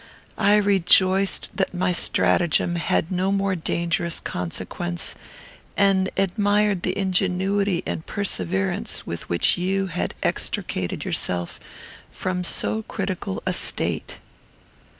I rejoiced that my stratagem had no more dangerous consequence, and admired the ingenuity and perseverance with which you had extricated yourself from so critical a state."